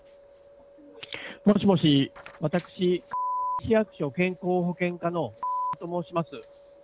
もしもし、私○○市役所健康保険課の○○と申します。